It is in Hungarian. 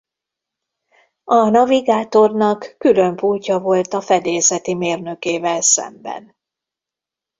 A navigátornak külön pultja volt a fedélzeti mérnökével szemben.